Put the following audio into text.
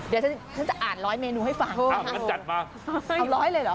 เดี๋ยวฉันฉันจะอ่านร้อยเมนูให้ฟังอ้าวงั้นจัดมาเอาร้อยเลยเหรอ